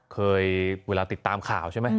เวลาติดตามข่าวใช่ไหม